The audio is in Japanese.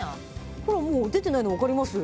ほらもう出てないのわかります？